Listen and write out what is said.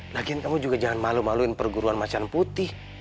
nakin kamu juga jangan malu maluin perguruan macan putih